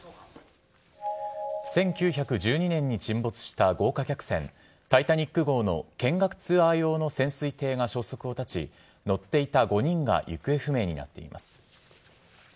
１９１２年に沈没した豪華客船、タイタニック号の見学ツアー用の潜水艇が消息を絶ち、乗っていた５人が行方不明になっています。